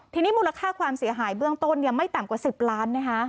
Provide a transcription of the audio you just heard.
ทีนี้มูลค่าความเสียหายเบื้องต้นไม่ต่ำกว่า๑๐ล้านนะคะ